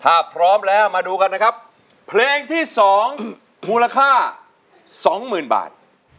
ถ้าพร้อมแล้วมาดูกันนะครับเพลงที่๒มูลค่าสองหมื่นบาท